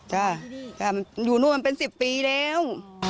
ใช่อยู่โน่นเป็น๑๐ปีแล้ว